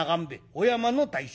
御山の大将